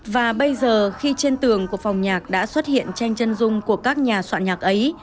và bây giờ khi trên tường của phòng nhạc đã xuất hiện tranh chân dung của các nhà soạn nhạc ấy